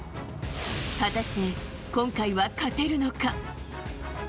果たして今回は勝てるのか？